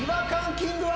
キングは？